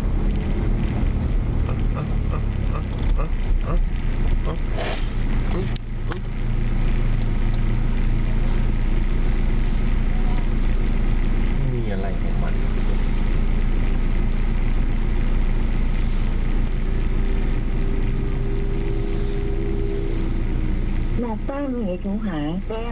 นักตั้งเหมือนไอ้ทุกหางแจ๊บแจ๊บแจ๊บ